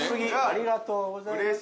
ありがとうございます。